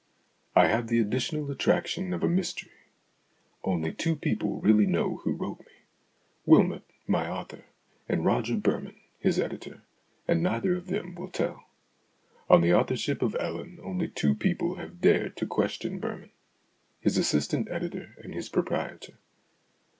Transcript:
I have the additional attraction of a mystery. Only two people really know who wrote me Wylmot, my author, and Roger Birman, his editor and neither of them will tell. On the authorship of " Ellen " only two people have dared to question Birman : his assistant editor and his proprietor.